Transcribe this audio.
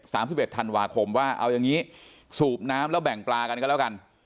สิบเอ็ดธันวาคมว่าเอาอย่างงี้สูบน้ำแล้วแบ่งปลากันก็แล้วกัน